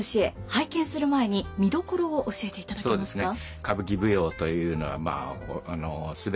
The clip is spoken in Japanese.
拝見する前に見どころを教えていただけますか。